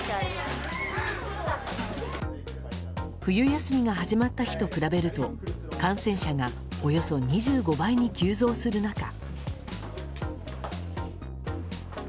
冬休みが始まった日と比べると感染者がおよそ２５倍に急増する中。